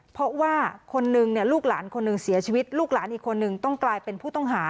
เพราะว่าคนนึงเนี่ยลูกหลานคนหนึ่งเสียชีวิตลูกหลานอีกคนนึงต้องกลายเป็นผู้ต้องหา